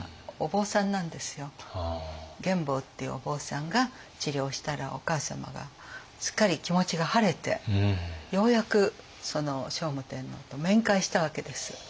玄っていうお坊さんが治療したらお母様がすっかり気持ちが晴れてようやく聖武天皇と面会したわけです。